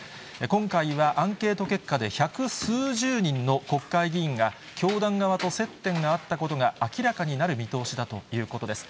今回は、アンケート結果で百数十人の国会議員が、教団側と接点があったことが明らかになる見通しだということです。